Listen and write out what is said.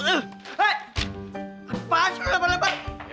kenapa aja lo lebar lebar